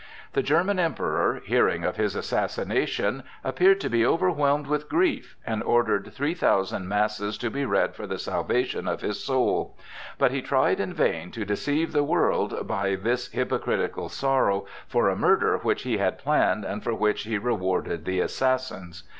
The German Emperor, hearing of his assassination, appeared to be overwhelmed with grief, and ordered three thousand masses to be read for the salvation of his soul; but he tried in vain to deceive the world by this hypocritical sorrow for a murder which he had planned and for which he rewarded the assassins.